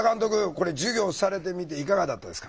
これ授業されてみていかがだったですか？